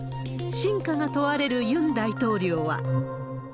真価が問われるユン大統領は。